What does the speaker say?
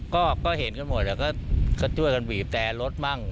ก็ก็เห็นกันหมดอ่ะก็ก็ช่วยกันบีบแต่รถบ้าง